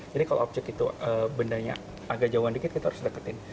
jadi kalau objek itu bendanya agak jauhan dikit kita harus deketin